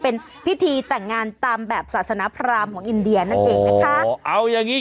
เป็นพิธีแต่งงานตามแบบศาสนพรามของอินเดียนั่นเองนะคะเอาอย่างงี้